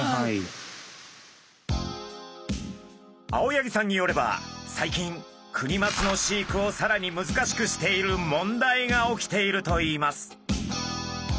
青柳さんによれば最近クニマスの飼育をさらに難しくしている問題が起きているといいます。